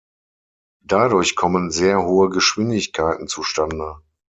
Dadurch kommen sehr hohe Geschwindigkeiten zustande.